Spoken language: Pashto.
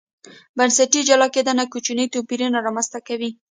بنسټي جلا کېدنه کوچني توپیرونه رامنځته کوي.